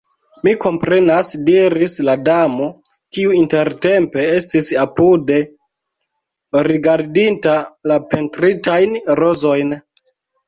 "Mi komprenas," diris la Damo, kiu intertempe estis apude rigardinta la pentritajn rozojn.